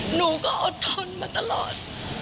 หนูก็อดทนมาตลอด